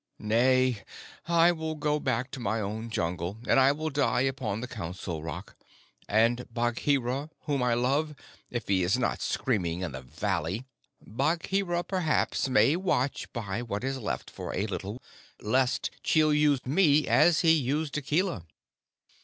Nay, I will go back to my own Jungle, and I will die upon the Council Rock, and Bagheera, whom I love, if he is not screaming in the valley Bagheera, perhaps, may watch by what is left for a little, lest Chil use me as he used Akela."